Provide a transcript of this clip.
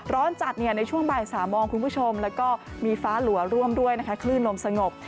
ร้อนจัดในช่วงบ่าย๓โมงคุณผู้ชมแล้วก็มีฟ้าหลัวร่วมด้วยนะคะคลื่นลมสงบ